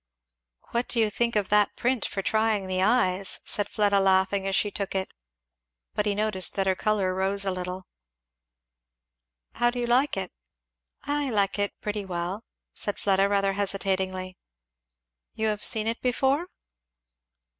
"What do you think of that print for trying the eyes?" said Fleda laughing as she took it. But he noticed that her colour rose a little. "How do you like it?" "I like it, pretty well," said Fleda rather hesitatingly. "You have seen it before?"